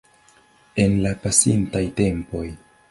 En la pasintaj tempoj.